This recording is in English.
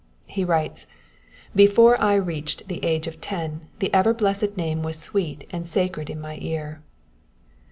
He writes: "Before I reached the age of ten the ever blessed Name was sweet and sacred in my ear."